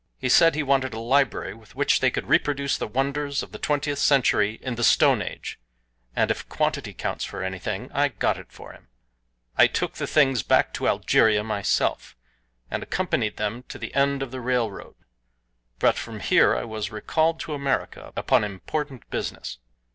He said he wanted a library with which they could reproduce the wonders of the twentieth century in the Stone Age and if quantity counts for anything I got it for him. I took the things back to Algeria myself, and accompanied them to the end of the railroad; but from here I was recalled to America upon important business.